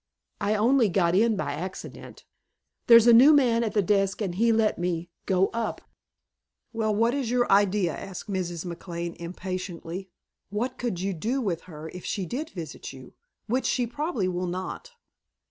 I only got in by accident. There's a new man at the desk and he let me go up " "Well, what is your idea?" asked Mrs. McLane impatiently. "What could you do with her if she did visit you which she probably will not."